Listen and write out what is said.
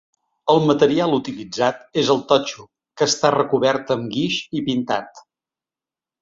El material utilitzat és el totxo que està recobert amb guix i pintat.